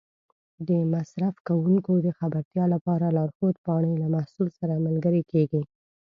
د مصرف کوونکو د خبرتیا لپاره لارښود پاڼې له محصول سره ملګري کېږي.